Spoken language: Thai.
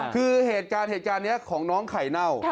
คือเหตุการณ์นี้ของน้องไข่เน่า